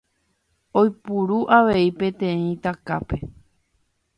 Oipuru avei peteĩ takape.